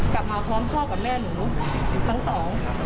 กลับมาพร้อมพ่อกับแม่หนูทั้งสอง